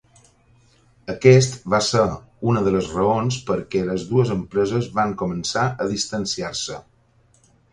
Aquest va ser una de les raons perquè les dues empreses van començar a distanciar-se.